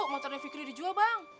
motornya fikri dijual bang